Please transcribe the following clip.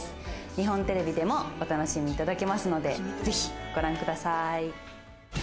日本テレビでもお楽しみいただけますので、ぜひご覧ください。